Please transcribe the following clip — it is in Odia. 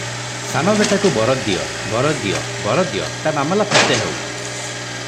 ଶାମା ବେଟାକୁ ବର ଦିଅ - ବର ଦିଅ - ବର ଦିଅ, ତା ମାମଲା ଫତେ ହେଉ ।"